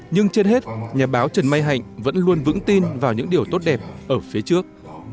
nhưng trên hết nhà báo trần mai hạnh vẫn luôn vững tin vào những điều tốt đẹp ở phía trước